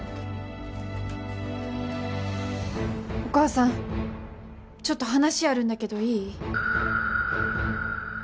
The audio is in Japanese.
お母さんちょっと話あるんだけどいい？